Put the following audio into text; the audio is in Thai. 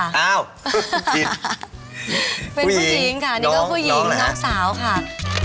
ผู้หญิงค่ะนี่ก็ผู้หญิงน้องสาวค่ะ